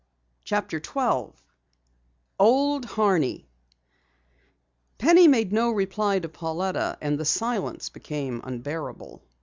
CHAPTER 12 OLD HORNEY Penny made no reply to Pauletta and the silence became unbearable.